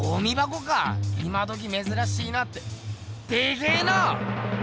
今どきめずらしいなってでけえな！